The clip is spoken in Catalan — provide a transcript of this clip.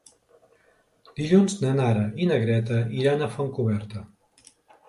Dilluns na Nara i na Greta iran a Fontcoberta.